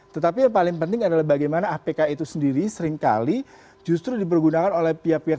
tetapi yang paling penting adalah bagaimana apk itu sendiri seringkali justru dipergunakan oleh pihak pihak